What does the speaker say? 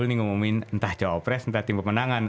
ini ngumumin entah jawa press entah tim pemenangan